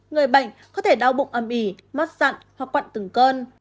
người bệnh có thể đau bụng âm ỉ mất dặn hoặc quặn từng cơn